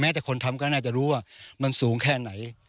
แต่คนทำก็น่าจะรู้ว่ามันสูงแค่ไหน